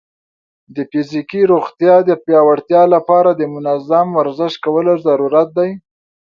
د فزیکي روغتیا د پیاوړتیا لپاره د منظم ورزش کولو ضرورت دی.